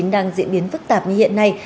đang diễn biến phức tạp như hiện nay